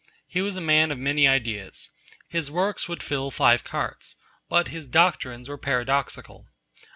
'He was a man of many ideas. His works would fill five carts. But his doctrines were paradoxical.'